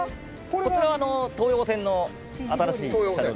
こちら、東横線の新しい車両